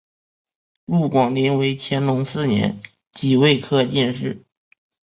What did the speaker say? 陆广霖为乾隆四年己未科进士。